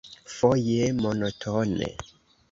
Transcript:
Foje monotone.